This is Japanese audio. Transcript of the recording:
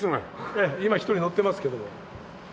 ええ今１人乗ってますけど。